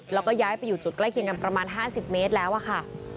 แล้วก็ย้ายไปอยู่จุดใกล้เคียงกันประมาณ๕๐เมตรแล้วอะค่ะ